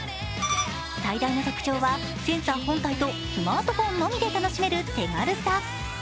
最大の特徴は、センサー本体とスマートフォンのみで楽しめる手軽さ。